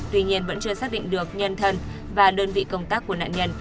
tuy nhiên vẫn chưa xác định được nhân thân và đơn vị công tác của nạn nhân